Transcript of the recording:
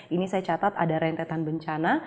ini saya catat ada rentetan bencana